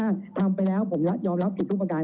เรามีการปิดบันทึกจับกลุ่มเขาหรือหลังเกิดเหตุแล้วเนี่ย